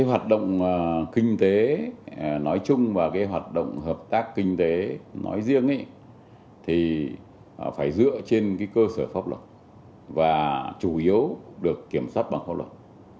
hoạt động kinh tế nói chung và hoạt động hợp tác kinh tế nói riêng thì phải dựa trên cơ sở pháp luật và chủ yếu được kiểm soát bằng pháp luật